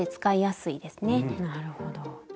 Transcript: なるほど。